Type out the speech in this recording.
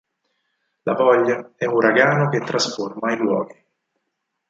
La voglia è uragano che trasforma i luoghi.